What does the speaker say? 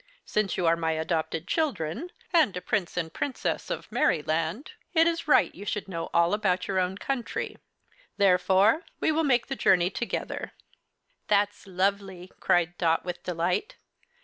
Since you are my adopted children and a Prince and Princess of Merryland, it is right you should know all about your own country; therefore we will make the journey together." "That's lovely!" cried Dot, with delight.